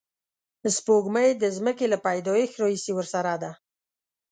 سپوږمۍ د ځمکې له پیدایښت راهیسې ورسره ده